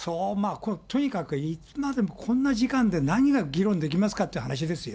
これとにかくいつまでもこんな時間で何が議論できますかという話ですよ。